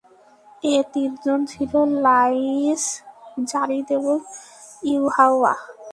এ তিনজন ছিল Laith, Zarid এবং ইউহাওয়া।